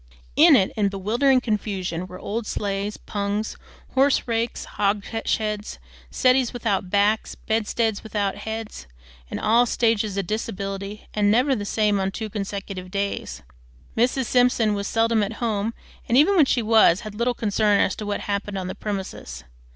In it, in bewildering confusion, were old sleighs, pungs, horse rakes, hogsheads, settees without backs, bed steads without heads, in all stages of disability, and never the same on two consecutive days. Mrs. Simpson was seldom at home, and even when she was, had little concern as to what happened on the premises.